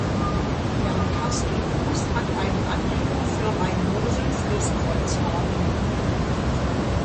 Bernkastel-Kues hat einen Anleger für Rhein-Mosel-Flusskreuzfahrten.